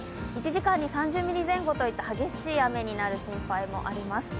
１時間に３０ミリ前後といった激しい雨になる心配もあります。